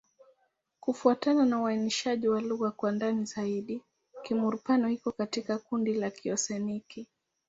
Kufuatana na uainishaji wa lugha kwa ndani zaidi, Kimur-Pano iko katika kundi la Kioseaniki.